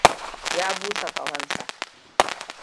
Ya busa ƙahonsa.